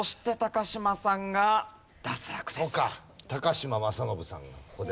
嶋政伸さんがここで。